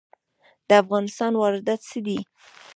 د افغانستان واردات څه دي؟